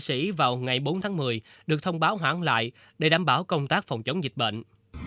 sĩ vào ngày bốn tháng một mươi được thông báo hoãn lại để đảm bảo công tác phòng chống dịch bệnh